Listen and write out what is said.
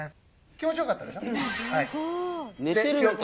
気持ちよかったでしょ？